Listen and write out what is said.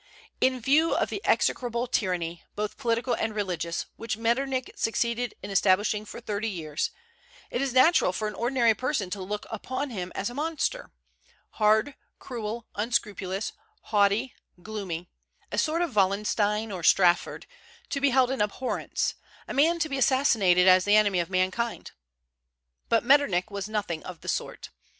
In view of the execrable tyranny, both political and religious, which Metternich succeeded in establishing for thirty years, it is natural for an ordinary person to look upon him as a monster, hard, cruel, unscrupulous, haughty, gloomy; a sort of Wallenstein or Strafford, to be held in abhorrence; a man to be assassinated as the enemy of mankind. But Metternich was nothing of the sort.